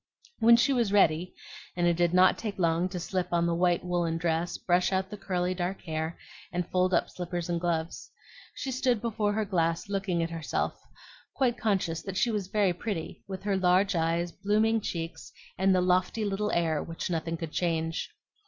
When she was ready, and it did not take long to slip on the white woollen dress, brush out the curly dark hair, and fold up slippers and gloves, she stood before her glass looking at herself, quite conscious that she was very pretty, with her large eyes, blooming cheeks, and the lofty little air which nothing could change.